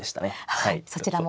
はいそちらも。